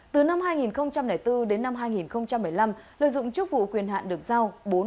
từ năm hai nghìn bốn đến năm hai nghìn một mươi năm lợi dụng chức vụ quyền hạn được giao